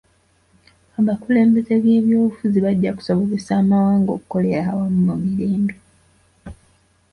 Abakulembeze b'ebyobufuzi bajja kusobozesa amawanga okukolera awamu mu mirembe.